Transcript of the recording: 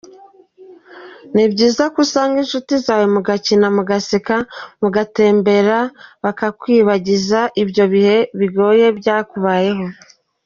Ni byiza ko usanga inshuti zawe mugakina, mugaseka, mugatembera bakakwibagiza ibyo bihe bigoye byakubayeho.